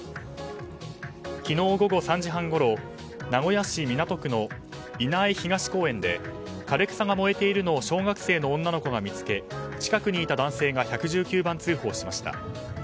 昨日午後３時半ごろ名古屋市港区の稲永東公園で、枯れ草が燃えているのを小学生の女の子が見つけ、近くにいた男性が１１９番通報しました。